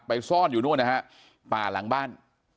ซ่อนอยู่นู่นนะฮะป่าหลังบ้าน